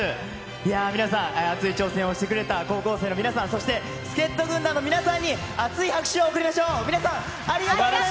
いやー、皆さん熱い挑戦をしてくれた高校生の皆さん、そして助っと軍団の皆さんに、熱い拍手を送りましょう。